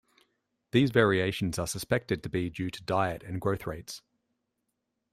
These variations are suspected to be due to diet and growth rates.